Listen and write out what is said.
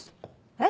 え？